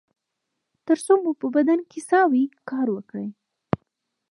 تر څو مو په بدن کې ساه وي کار وکړئ